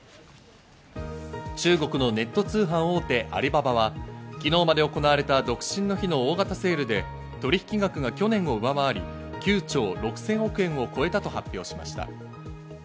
中国のネット通販大手アリババは昨日まで行われた独身の日の大型セールで取引額が去年を上回り、９兆６０００億円を超えたと発表しました。